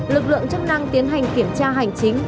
lực lượng chức năng tiến hành kiểm tra hành chính